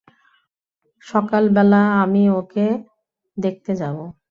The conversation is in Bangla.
সকালবেলা আমি ওকে দেখতে যাব।